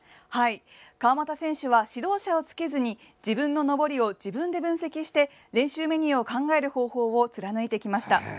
川又選手は指導者をつけず自分の登りを自分で分析して練習メニューを考える方法を貫いてきました。